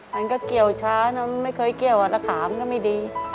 มันก็เกี่ยวช้านะไม่เคยเกี่ยวแล้วขามันก็ไม่ดี